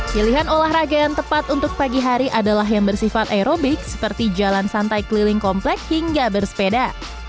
pilihan olahraga yang tepat untuk pagi hari adalah yang bersifat aerobik seperti jalan santai keliling komplek hingga bersepeda